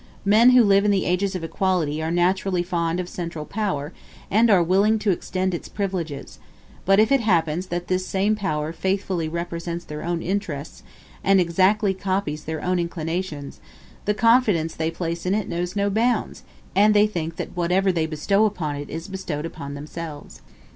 Men who live in the ages of equality are naturally fond of central power, and are willing to extend its privileges; but if it happens that this same power faithfully represents their own interests, and exactly copies their own inclinations, the confidence they place in it knows no bounds, and they think that whatever they bestow upon it is bestowed upon themselves.